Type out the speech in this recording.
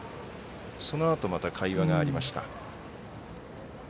そのあと会話がまたありました。